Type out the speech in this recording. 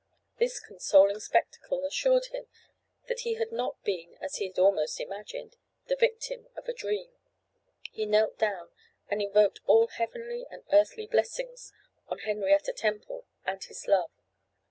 This consoling spectacle assured him that he had not been, as he had almost imagined, the victim of a dream. He knelt down and invoked all heavenly and earthly blessings on Henrietta Temple and his love.